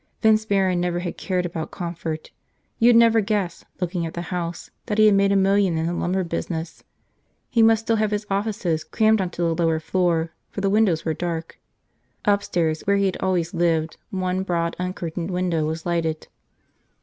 Vince Barron never had cared about comfort. You'd never guess, looking at the house, that he had made a million in the lumber business. He must still have his offices crammed on to the lower floor, for the windows were dark. Upstairs, where he had always lived, one broad uncurtained window was lighted.